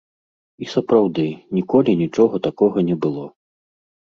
І сапраўды, ніколі нічога такога не было.